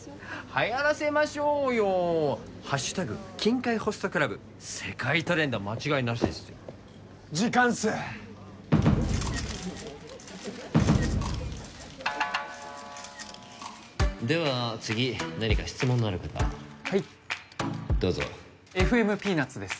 はやらせましょうよ「＃金塊ホストクラブ」世界トレンド間違いなしですよ時間っすでは次何か質問のある方はいどうぞＦＭピーナッツです